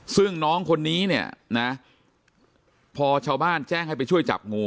ซึ่งน้องคนนี้เนี่ยนะพอชาวบ้านแจ้งให้ไปช่วยจับงู